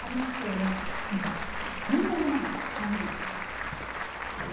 でもこんなものが使えるんです。